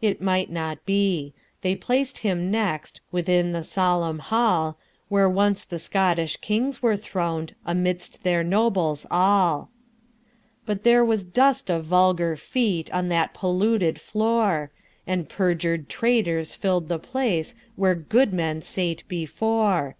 It might not be. They placed him nextWithin the solemn hall, Where once the Scottish kings were thron'dAmidst their nobles all. But there was dust of vulgar feetOn that polluted floor, And perju'd traitors fill'd the placeWhere good men sate before.